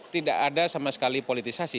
tidak ada sama sekali politisasi